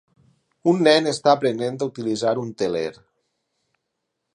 Un nen està aprenent a utilitzar un teler.